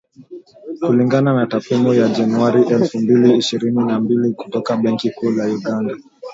Kulingana na takwimu za Januari elfu mbili ishirini na mbili kutoka Benki Kuu ya Uganda